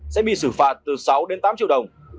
sẽ bị xử phạt từ sáu đến tám triệu đồng